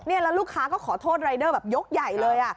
แล้วลูกค้าก็ขอโทษรายเดอร์แบบยกใหญ่เลย